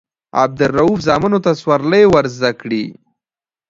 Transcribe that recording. عبدالروف زامنو ته سورلۍ ورزده کړي.